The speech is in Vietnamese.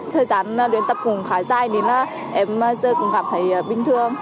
thời gian luyện tập cũng khá dài nên là em giờ cũng cảm thấy bình thường